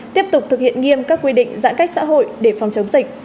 tiếp tục thực hiện nghiêm các quy định giãn cách xã hội để phòng chống dịch